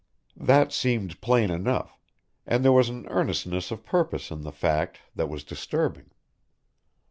That seemed plain enough, and there was an earnestness of purpose in the fact that was disturbing.